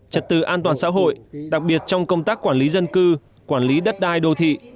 trật tự an toàn xã hội đặc biệt trong công tác quản lý dân cư quản lý đất đai đô thị